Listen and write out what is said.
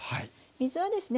水はですね